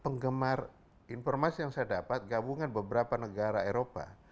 penggemar informasi yang saya dapat gabungan beberapa negara eropa